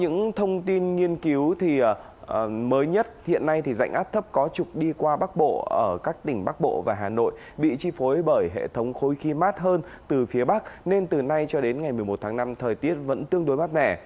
những thông tin nghiên cứu thì mới nhất hiện nay dạnh áp thấp có trục đi qua bắc bộ ở các tỉnh bắc bộ và hà nội bị chi phối bởi hệ thống khối khí mát hơn từ phía bắc nên từ nay cho đến ngày một mươi một tháng năm thời tiết vẫn tương đối mát mẻ